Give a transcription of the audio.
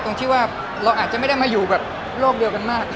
ตรงที่ว่าเราอาจจะไม่ได้มาอยู่แบบโลกเดียวกันมาก